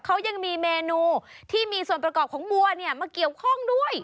เขายังมีเมนูที่มีส่วนประกอบของวัวเนี่ยมาเกี่ยวข้องด้วย